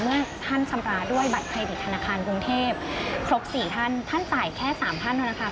เมื่อท่านชำราด้วยบัตรเครดิตธนาคารกรุงเทพครบ๔ท่านท่านจ่ายแค่๓ท่านธนาคาร